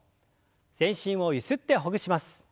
全身をゆすってほぐします。